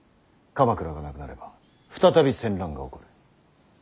鎌倉がなくなれば再び戦乱が起こる。